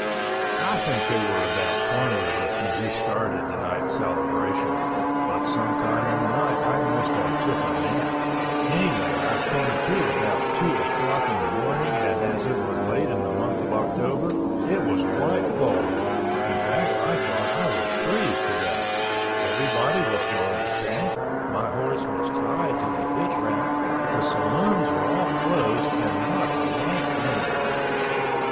I think there were about twenty of us when we started the night celebration, but sometime in the night I must have took a nap, anyway I came to about two o'clock in the morning and as it was late in the month of October it was quite cold, in fact I thought I would freeze to death, everybody was gone to camp, my horse was tied to the hitch rack, the saloons were all closed, and not a light anywhere.